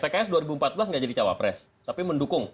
pks dua ribu empat belas nggak jadi cawapres tapi mendukung